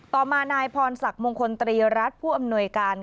ต่อมานายพรศักดิ์มงคลตรีรัฐผู้อำนวยการ